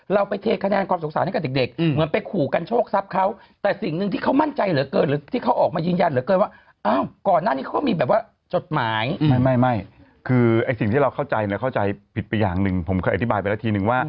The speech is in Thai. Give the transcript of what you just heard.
เราไปเทคะนั้นความสงสารของเกิดเค้ามันคือเหมือน